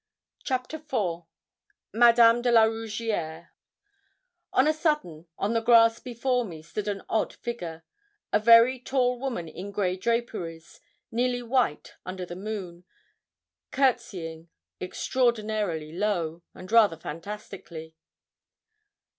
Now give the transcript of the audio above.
CHAPTER IV MADAME DE LA ROUGIERRE On a sudden, on the grass before me, stood an odd figure a very tall woman in grey draperies, nearly white under the moon, courtesying extraordinarily low, and rather fantastically.